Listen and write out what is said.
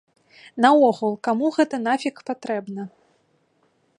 Наогул, каму гэта нафіг патрэбна?